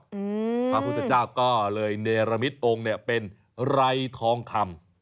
พระพุทธเจ้าก็เลยเนรมิตองค์เนี่ยเป็นไรทองคำ